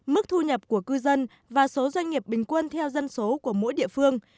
mức thu nhập của cư dân và số doanh nghiệp bình quân theo dân số của mỗi địa phương